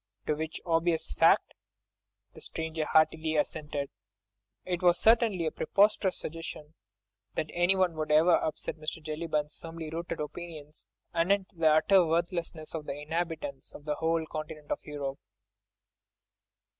To which obvious fact the stranger heartily assented. It was certainly a preposterous suggestion that anyone could ever upset Mr. Jellyband's firmly rooted opinions anent the utter worthlessness of the inhabitants of the whole continent of Europe.